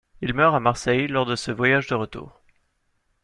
Il meurt à Marseille lors de ce voyage de retour.